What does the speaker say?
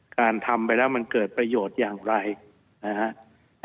การทำไปแล้วมันเกิดประโยชน์อย่างไรนะฮะ